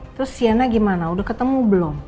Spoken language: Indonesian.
terus siana gimana udah ketemu belum